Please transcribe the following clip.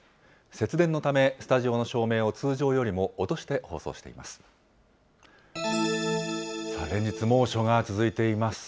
節電のため、スタジオの照明を通常よりも落として放送しています。